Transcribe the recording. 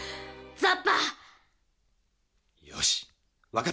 ザッパ！